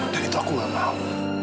dan itu aku gak mau